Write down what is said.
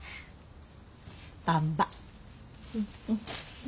ばんば。